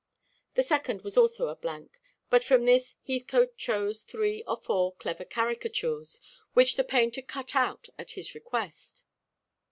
The second was also a blank; but from this Heathcote chose three or four clever caricatures, which the painter cut out at his request.